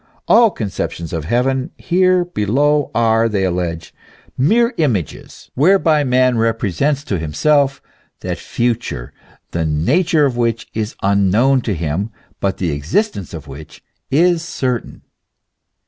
All conceptions of heaven here below are, they allege, mere images, whereby man repre sents to himself that future, the nature of which is unknown to him, but the existence of which is certain.